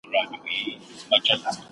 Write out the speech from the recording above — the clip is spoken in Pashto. مېړني خلګ تل د حق په لاره کي دريږي.